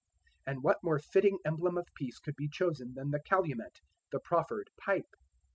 And what more fitting emblem of peace could be chosen than the calumet, the proffered pipe?